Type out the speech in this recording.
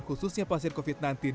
khususnya pasien covid sembilan belas